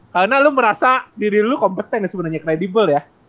karena lu merasa diri lu kompeten ya sebenernya kredibel ya